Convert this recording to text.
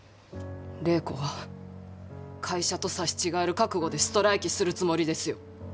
礼子は会社と刺し違える覚悟でストライキするつもりですよ。